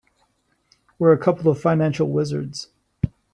We're a couple of financial wizards.